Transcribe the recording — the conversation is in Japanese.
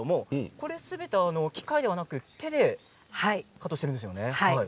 すべて機械ではなく手でカットしているんですよね。